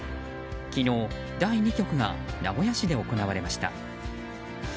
昨日、第２局が名古屋市で行われました。